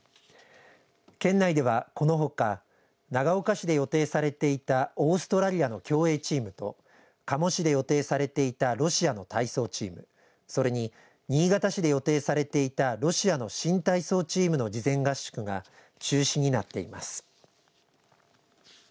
県内では、このほか長岡市で予定されていたオーストラリアの競泳チームと加茂市で予定されていたロシアの体操チームそれに新潟市で予定されていたロシアの新体操チームの事前合宿が中止になっています。